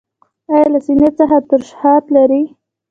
ایا له سینې څخه ترشحات لرئ؟